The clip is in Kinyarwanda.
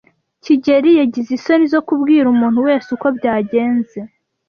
kigeli yagize isoni zo kubwira umuntu wese uko byagenze.